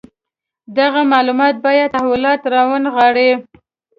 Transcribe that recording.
دغه معلومات باید تحولات راونغاړي.